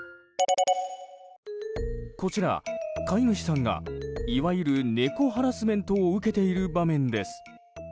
こちら、飼い主さんがいわゆるネコハラスメントを受けている場面です。